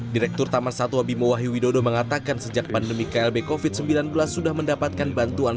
direktur taman satwa bimo wahyu widodo mengatakan sejak pandemi klb covid sembilan belas sudah mendapatkan bantuan